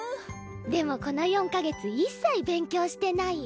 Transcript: でもこの４か月一切勉強してないよ。